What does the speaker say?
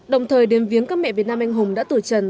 đồng thời đem viếng các mẹ việt nam anh hùng đã tổ chần